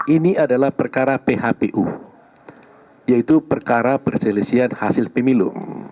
ini adalah perkara phpu yaitu perkara perselisihan hasil pemilu